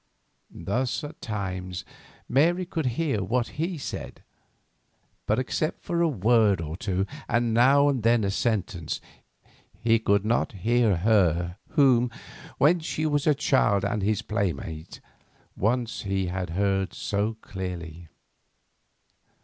Thus, at times Mary could hear what he said. But except for a word or two, and now and then a sentence, he could not hear her whom, when she was still a child and his playmate, once he had heard so clearly.